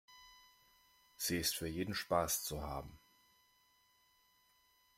Sie ist für jeden Spaß zu haben.